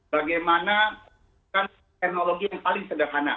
bagaimana teknologi yang paling sederhana